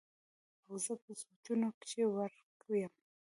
او زۀ پۀ سوچونو کښې ورک يم